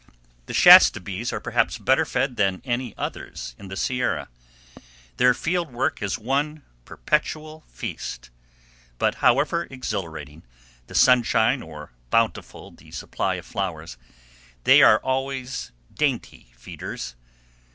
The Shasta bees are perhaps better fed than any others in the Sierra. Their field work is one perpetual feast; but, however exhilarating the sunshine or bountiful the supply of flowers, they are always dainty feeders.